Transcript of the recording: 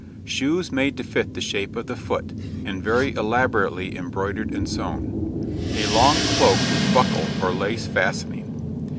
Shoes made to fit the shape of the foot, and very elaborately embroidered and sewn. A long cloak with buckle or lace fastening.